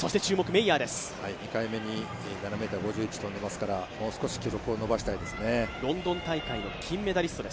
メイヤーは、２回目に７ｍ５１を跳んでいますから、もう少し記録を伸ばしたいですね。